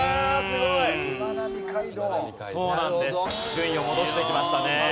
順位を戻してきましたね。